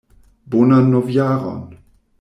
Bonan novjaron!